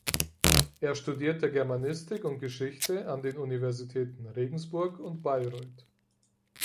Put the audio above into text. Er studierte Germanistik und Geschichte an den Universitäten Regensburg und Bayreuth.